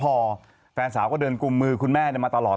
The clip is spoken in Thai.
ทางแฟนสาวก็พาคุณแม่ลงจากสอพอ